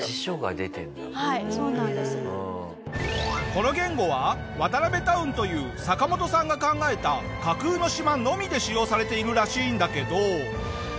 この言語はワタナベタウンというサカモトさんが考えた架空の島のみで使用されているらしいんだけど。